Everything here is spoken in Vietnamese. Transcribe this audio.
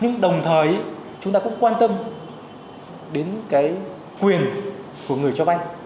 nhưng đồng thời chúng ta cũng quan tâm đến cái quyền của người cho vay